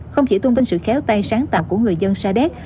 không chỉ tôn tinh sự khéo tay sáng tạo của người dân xa đét